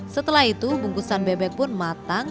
setelah itu bungkusan bebek pun matang